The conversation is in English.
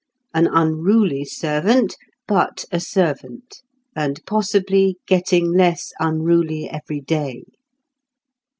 An unruly servant, but a servant and possibly getting less unruly every day!